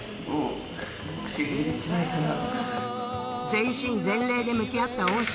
全身全霊で向き合った恩師